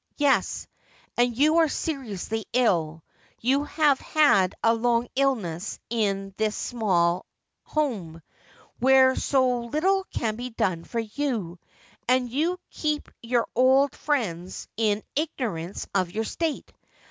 ' Yes, and you are seriously ill — you have had a long illness in this small house — where so little can be done for you, — and you keep your old friends in ignorance of your state.